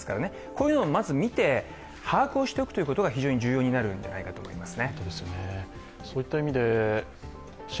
こういうのをまず見て把握しておくことが非常に重要になるんじゃないかと思います。